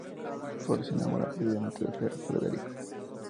Flor se enamora perdidamente de Frederico.